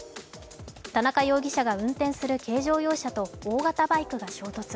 田中容疑者が運転する軽乗用車と大型バイクが衝突。